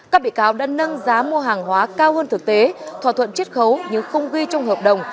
các bị cáo đã nâng giá mua hàng hóa cao hơn thực tế thỏa thuận chết khấu nhưng không ghi trong hợp đồng